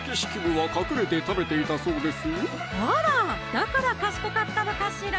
だから賢かったのかしら